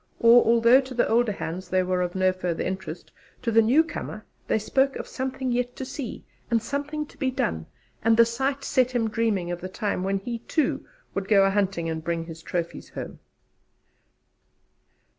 For although to the older hands they were of no further interest, to the newcomer they spoke of something yet to see, and something to be done; and the sight set him dreaming of the time when he too would go a hunting and bring his trophies home.